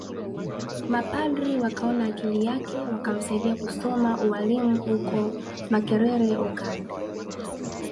Mapadre wakaona akili yake wakamsaidia kusoma ualimu uko makerere ugand